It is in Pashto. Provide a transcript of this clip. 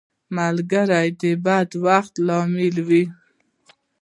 ملګری د بد وخت ملاتړی وي